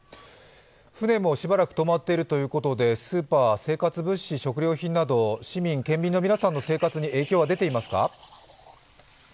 船もしばらく止まっているということでスーパー、生活物資食料品など市民、県民の皆さんの生活に影響は出ていますか？